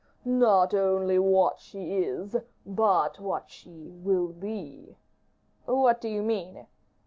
"Not only what she is, but what she will be." "What do you mean?"